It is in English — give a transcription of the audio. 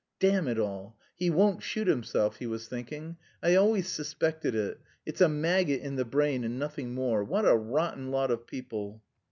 "Damn it all, he won't shoot himself!" he was thinking. "I always suspected it; it's a maggot in the brain and nothing more; what a rotten lot of people!"